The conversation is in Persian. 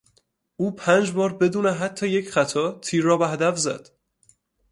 او پنج بار بدون حتی یک خطا تیر را به هدف زد.